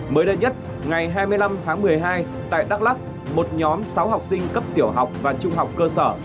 mới đây nhất ngày hai mươi năm tháng một mươi hai tại đắk lắc một nhóm sáu học sinh cấp tiểu học và trung học cơ sở